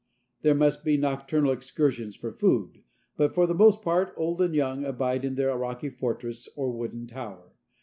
There must be nocturnal excursions for food, but for the most part old and young abide in their rocky fortress or wooden tower.